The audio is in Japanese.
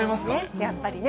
やっぱりね。